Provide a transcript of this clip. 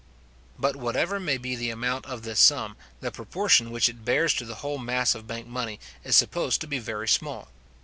But whatever may be the amount of this sum, the proportion which it bears to the whole mass of bank money is supposed to be very small.